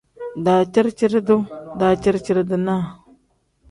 Daciri-ciri-duu pl: daciri-ciri-dinaa n.